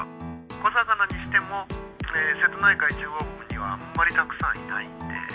小魚にしても瀬戸内海の中央部にはあまりたくさんいないんで。